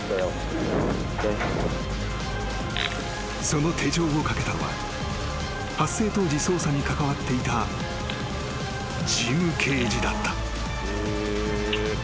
［その手錠をかけたのは発生当時捜査に関わっていたジム刑事だった］